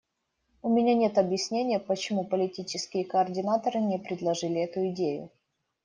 У меня нет объяснения, почему политические координаторы не предложили эту идею.